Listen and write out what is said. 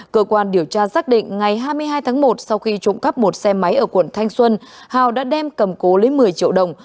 cơ quan điều tra xác định ngày hai mươi hai tháng một sau khi trộm cắp một xe máy ở quận thanh xuân hào đã đem cầm cố lấy một mươi triệu đồng